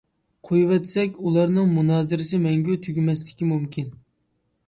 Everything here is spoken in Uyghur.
قويۇۋەتسەك، ئۇلارنىڭ مۇنازىرىسى مەڭگۈ تۈگىمەسلىكى مۇمكىن.